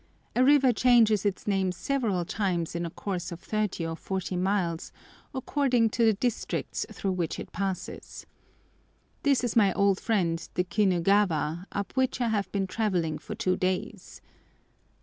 A river changes its name several times in a course of thirty or forty miles, according to the districts through which it passes. This is my old friend the Kinugawa, up which I have been travelling for two days.